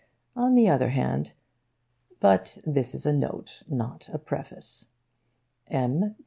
On the other hand but this is a Note, not a Preface. M.